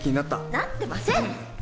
なってません！